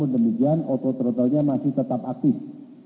sehingga auto throttle masih tetap aktif